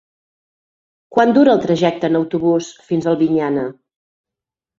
Quant dura el trajecte en autobús fins a Albinyana?